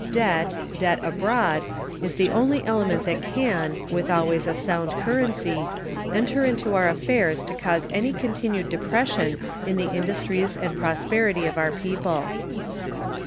Debt, debt abroad, is the only element that can, with always a sound currency, enter into our affairs to cause any continued depression in the industries and prosperity of our people.